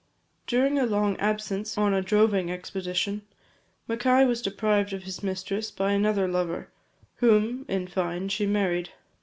During a long absence on a droving expedition, Mackay was deprived of his mistress by another lover, whom, in fine, she married.